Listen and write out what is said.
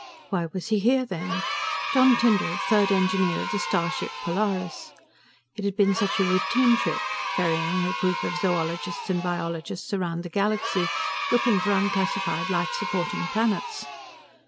Why was he here then? John Tyndall, 3rd Engineer of the starship Polaris. It had been such a routine trip, ferrying a group of zoologists and biologists around the galaxy looking for unclassified life supporting planets.